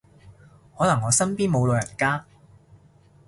可能我身邊冇老人家